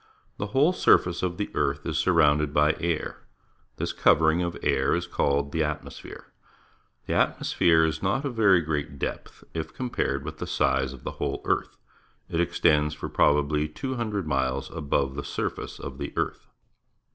— The whole surface of the earth is surrounded by air. This cover ing of air is called the Atmosphere^ The atmosphere is not of very great depth if compared with the size of the whole earth. It extends for probably 200 miles above the surface of the earth.